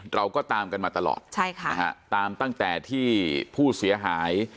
เราก็ตามกันมาตลอดใช่ค่ะนะฮะตามตั้งแต่ที่ผู้เสียหาย